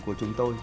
của chúng tôi